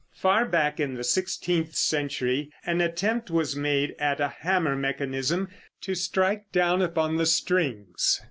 ] Far back in the sixteenth century an attempt was made at a hammer mechanism to strike down upon the strings.